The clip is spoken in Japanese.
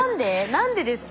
何でですか？